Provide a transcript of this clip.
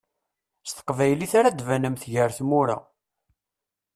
S teqbaylit ara d-banemt gar tmura.